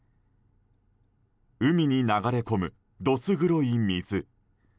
海に流れ込む、どす黒い水。